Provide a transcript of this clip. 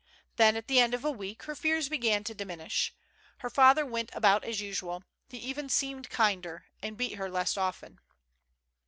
Then, at the end of a week, her fears began to diminish. Her father went about as usual ; he even seemed kinder, and beat her less often.